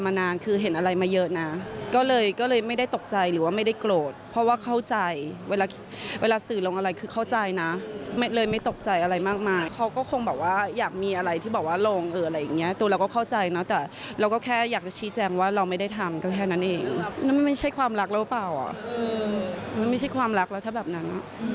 มันไม่ใช่ความรักแล้วหรือเปล่ามันไม่ใช่ความรักแล้วถ้าแบบนั้น